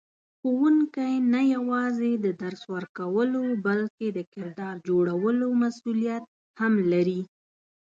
ښوونکی نه یوازې د درس ورکولو بلکې د کردار جوړولو مسئولیت هم لري.